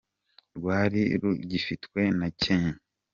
rwari rugifitwe na Cyenge.